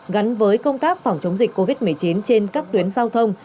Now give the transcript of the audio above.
gắn với công tác phòng chống dịch covid một mươi chín trên các tuyến giao thông